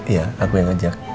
iya aku yang ngajak